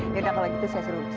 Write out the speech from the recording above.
ya udah kalau gitu saya suruh